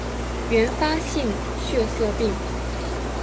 原发性血色病